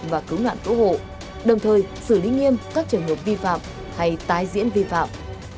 và cứu nạn cứu hộ đồng thời xử lý nghiêm các trường hợp vi phạm hay tái diễn vi phạm